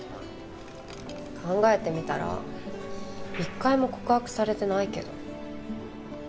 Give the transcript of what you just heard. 考えてみたら一回も告白されてないけど。